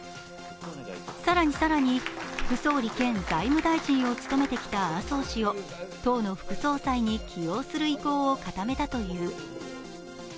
更に更に副総理兼財務大臣を務めてきた麻生氏を党の副総裁に起用する意向を固めたという。